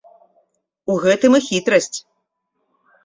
У гэтым і хітрасць.